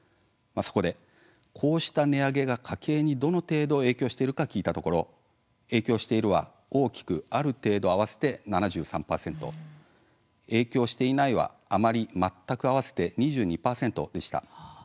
そこで、こうした値上げが家計にどの程度影響しているのか聞いたところ「影響している」は「大きく」「ある程度」合わせて７３％「影響していない」は「あまり」「全く」合わせて２２％でした。